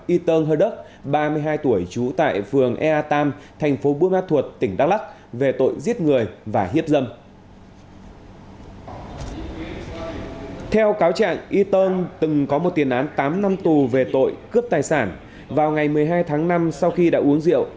y tơn hơ đức ba mươi hai tuổi trú tại vườn